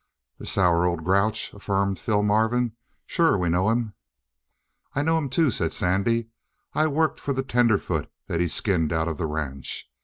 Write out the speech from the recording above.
"The sour old grouch," affirmed Phil Marvin. "Sure, we know him." "I know him, too," said Sandy. "I worked for the tenderfoot that he skinned out of the ranch.